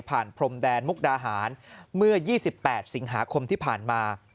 พรมแดนมุกดาหารเมื่อ๒๘สิงหาคมที่ผ่านมา